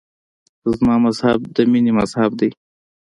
زما مذهب د مینې مذهب دی.